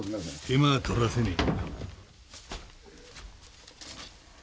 手間はとらせねえ。